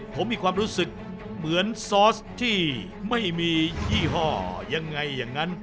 ผมมีความรู้สึกเหมือนซอสที่ไม่มียี่ห้อยังไงอย่างนั้น